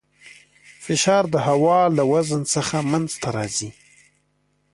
فشار د هوا له وزن څخه منځته راځي.